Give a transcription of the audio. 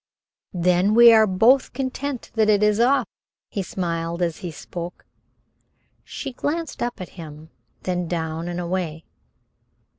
"Then we are both content that it is off." He smiled as he spoke. She glanced up at him, then down and away.